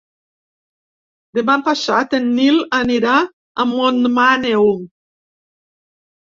Demà passat en Nil anirà a Montmaneu.